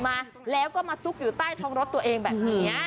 มาแล้วก็มาซุกอยู่ใต้ท้องรถตัวเองแบบนี้